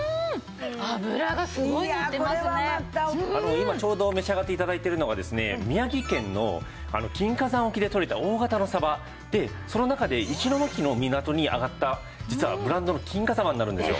今ちょうど召し上がって頂いてるのがですね宮城県の金華山沖でとれた大型のさばでその中で石巻の港に揚がった実はブランドの金華さばになるんですよ。